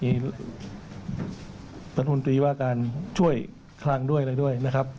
มีรัฐมนตรีว่าการช่วยคลังด้วยอะไรด้วยนะครับ